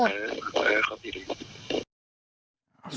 เออเออขอบคุณดีด้วย